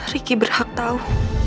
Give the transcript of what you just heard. riki berhak tahu